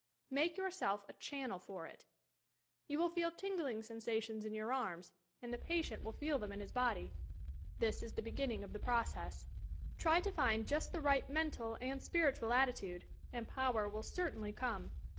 Make yourself a channel for it. You will feel tingling sensations in your arras, and the patient will fpcl them in his body. This is the beginning of the process. Try to find just the right mental and spiritual attitude, and power will certainly come.